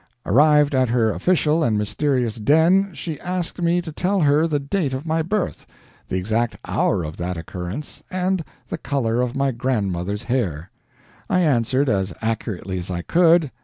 Arrived at her official and mysterious den, she asked me to tell her the date of my birth, the exact hour of that occurrence, and the color of my grandmother's hair. I answered as accurately as I could.